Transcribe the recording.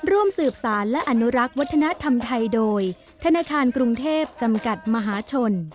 ร่วมสืบสารและอนุรักษ์วัฒนธรรมไทยโดยธนาคารกรุงเทพจำกัดมหาชน